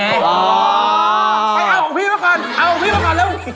ไปเอาของพี่มาก่อนเอาของพี่มาก่อนเร็ว